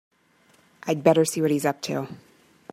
I'd better see what he's up to.